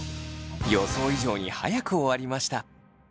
予想以上に早く終わりました。